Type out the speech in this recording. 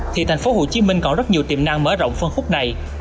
thì thành phố hồ chí minh còn rất nhiều tiềm năng mở rộng phân khúc này